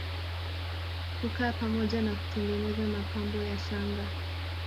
Hukaa pamoja na kutengeneza mapambo ya shanga